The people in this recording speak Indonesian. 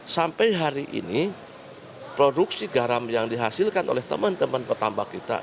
sampai hari ini produksi garam yang dihasilkan oleh teman teman petambak kita